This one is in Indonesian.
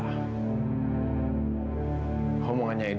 kamu miten sih kampung ini kecil kaget kaget